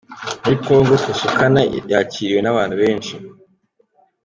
Muri kongo Kusukana yakiriwe n’abantu benshi.